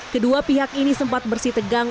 kedua pihak ini sempat bersih tegang